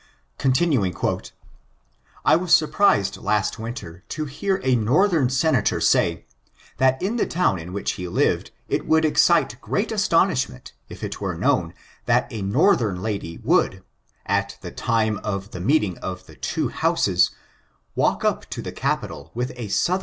*'I was surprised last winter to hear a Northern Senator say, that in the town in which he lived it would excite great astonishment if it were known that a Northern lady would, at the time of the meeting of the two Houses, walk up to the Capitol with a Southern I I I